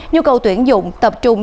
nhu cầu tuyển dụng tập trung